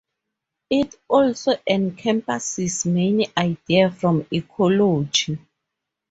It also encompasses many ideas from ecology.